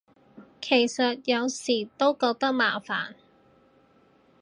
其實有時都覺得麻煩